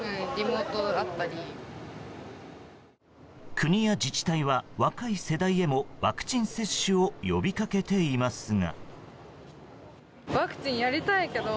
国や自治体は若い世代へもワクチン接種を呼び掛けていますが。